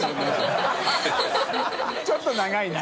ちょっと長いな。